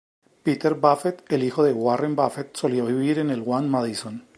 Peter Buffett, el hijo de Warren Buffett, solía vivir en el One Madison.